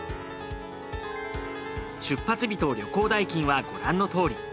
出発日と旅行代金はご覧のとおり。